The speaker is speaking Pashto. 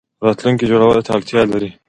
راتلونکی جوړولو ته اړتیا لري